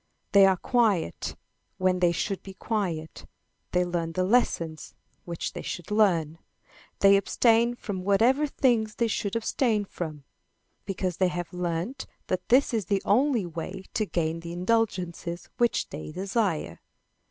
They are quiet when they should be quiet, they learn the lessons which they should learn, they abstain from whatever things they should abstain from, because they have learned that this is the only way to gain the indulgences which they desire.